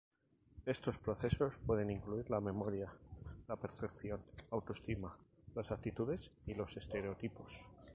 Estos proceso pueden incluir la memoria, la percepción, autoestima, las actitudes y los estereotipos.